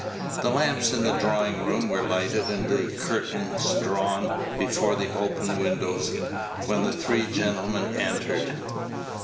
The lamps in the drawing room were lighted, and the curtains drawn before the open windows, when the three gentlemen entered.